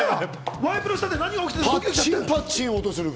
ワイプの下で何が起きてるか。